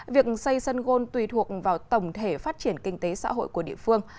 việc xây sân gôn tùy thuộc vào tổng thể phát triển kinh tế xã hội của địa phương